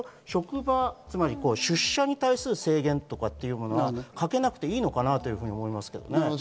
職場の出社に対する制限はかけなくていいのかなと思いますけどね。